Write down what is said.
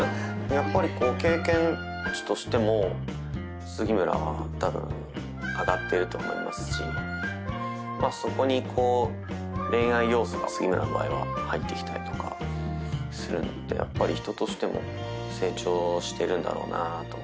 やっぱりこう経験値としても杉村は多分上がってると思いますしまあそこに恋愛要素が杉村の場合は入ってきたりとかするのでやっぱり人としても成長してるんだろうなあと思って。